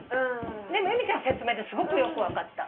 でも由美ちゃんの説明ですごくよく分かった。